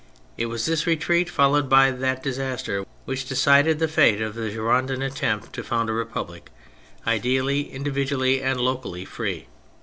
It was this retreat, followed by that disaster, which decided the fate of the Girondin attempt to found a republic ideally, individually, and locally free.